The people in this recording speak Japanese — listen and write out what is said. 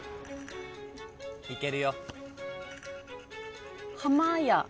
・いけるよ。